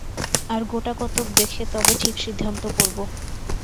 আর গোটাকতক দেখে তবে ঠিক সিদ্ধান্ত করব।